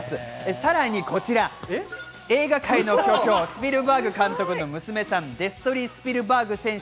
さらに、映画界の巨匠、スピルバーグ監督の娘さん、デストリー・スピルバーグ選手。